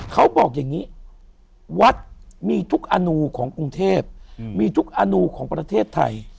เขาบอกอย่างนี้วัดมีทุกอนูของกรุงเทพมีทุกอนูของประเทศไทย